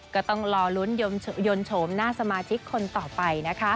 ก็ต้องรอลุ้นยนต์โฉมหน้าสมาชิกคนต่อไปนะคะ